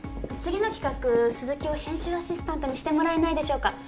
次の企画鈴木を編集アシスタントにしてもらえないでしょうか